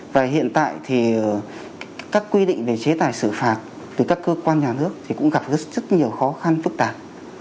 và hiện tại thì các quy định về chế tài xử phạt từ các cơ quan nhà nước thì cũng gặp rất nhiều khó khăn phức tạp